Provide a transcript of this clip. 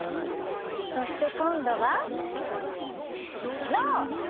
そして今度は脳！